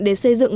để xây dựng